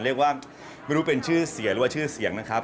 เรียกว่าไม่รู้เป็นชื่อเสียหรือว่าชื่อเสียงนะครับ